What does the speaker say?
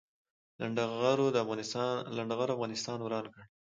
لنډغرو افغانستان وران کړ